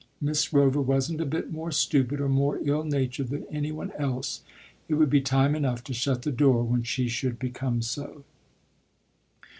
Miss Rover wasn't a bit more stupid or more ill natured than any one else; it would be time enough to shut the door when she should become so.